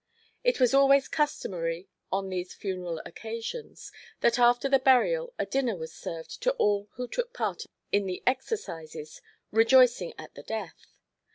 It was always customary on these funeral occasions, that after the burial a dinner was served to all who took part in the exercises—"rejoicing at the death."